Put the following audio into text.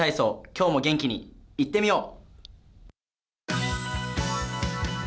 今日も元気に行ってみよう。